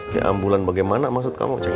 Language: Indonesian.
keambulan bagaimana maksud kamu ceng